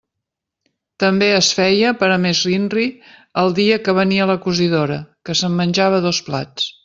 També es feia, per a més inri, el dia que venia la cosidora, que se'n menjava dos plats.